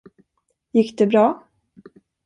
Gick det bra?